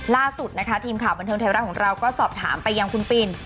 ล่าสุดนะคะทีมข่าวบันเทิงไทยรัฐของเราก็สอบถามไปยังคุณปิน